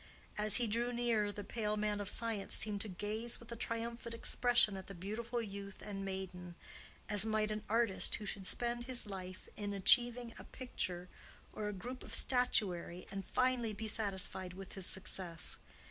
As he drew near, the pale man of science seemed to gaze with a triumphant expression at the beautiful youth and maiden, as might an artist who should spend his life in achieving a picture or a group of statuary and finally be satisfied with his success.